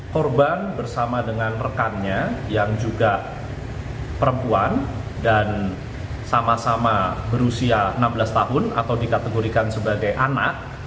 korban bersama dengan rekannya yang juga perempuan dan sama sama berusia enam belas tahun atau dikategorikan sebagai anak